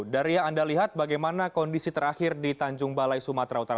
dari yang anda lihat bagaimana kondisi terakhir di tanjung balai sumatera utara